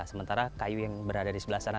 sementara kayu yang berada di sebelah sana